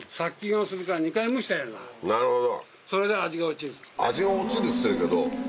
なるほど。